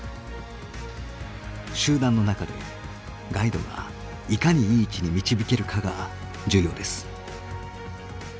集団の中でガイドがいかにいい位置に導けるかが重要です。